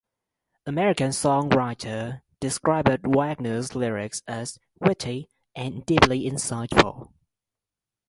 "American Songwriter" described Wagner's lyrics as "witty and deeply insightful.